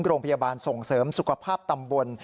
โรงพยาบาลส่งเสริมสุขภาพตำบล